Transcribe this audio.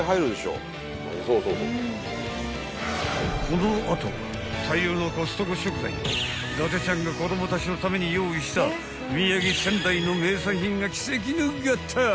［この後大量のコストコ食材と伊達ちゃんが子供たちのために用意した宮城仙台の名産品が奇跡の合体！］